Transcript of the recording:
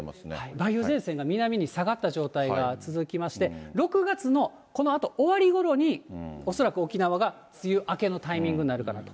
梅雨前線が南に下がった状態が続きまして、６月のこのあと、終わりごろに、おそらく沖縄が梅雨明けのタイミングになるかなと。